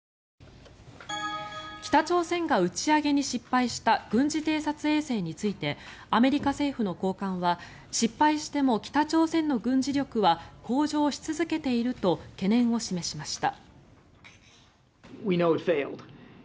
北朝鮮が打ち上げに失敗した軍事偵察衛星についてアメリカ政府の高官は失敗しても北朝鮮の軍事力は向上し続けていると懸念を示しました。